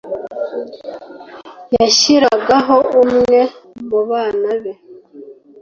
yashyiragaho umwe mu bana be